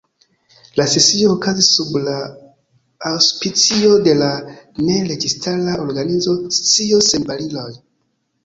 La sesio okazis sub la aŭspicio de la Ne Registara Organizo Scio Sen Bariloj.